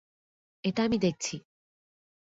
এটা আমি দেখছি!